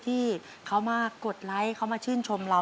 ที่เขามากดไลค์เขามาชื่นชมเรา